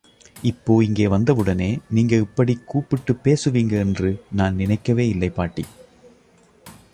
இப்போ இங்கே வந்தவுடனே, நீங்க இப்படி கூப்பிட்டுப் பேசுவீங்க என்று நான் நினைக்கவே இல்லை பாட்டி.